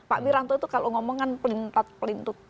pak wiranto itu kalau ngomong kan pelintas pelintas